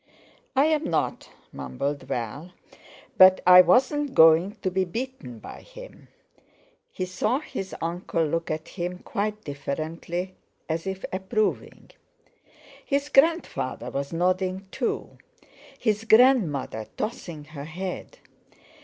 "I'm not," mumbled Val, "but I wasn't going to be beaten by him." He saw his uncle look at him quite differently, as if approving. His grandfather was nodding too, his grandmother tossing her head.